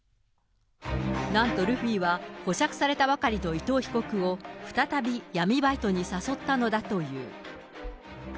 なんとルフィは、保釈されたばかりの伊藤被告を再び闇バイトに誘ったのだという。